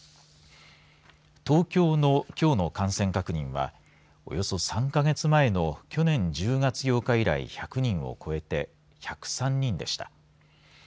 東京の、きょうの感染確認はおよそ３か月前の去年１０月８日以来１００人を超えて１０３人でした。